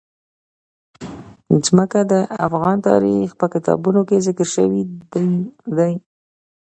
ځمکه د افغان تاریخ په کتابونو کې ذکر شوی دي.